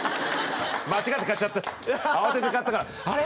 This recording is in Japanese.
間違って買っちゃった慌てて買ったからあれ？